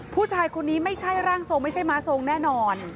ผู้ชายคนนี้ไม่ใช่ร่างทรงไม่ใช่ม้าทรงแน่นอน